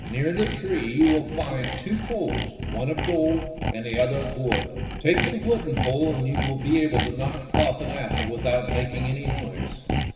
Near the tree you will find two poles, one of gold and the other of wood. Take the wooden pole, and you will be able to knock off an apple without making any noise."